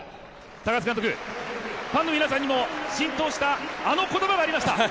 高津監督、ファンの皆さんにも浸透した、あの言葉がありました。